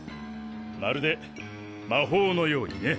まるで魔法のようにね。